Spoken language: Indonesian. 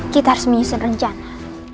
kita harus menyusun rencana